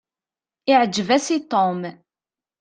Iɛǧeb-as i Tom.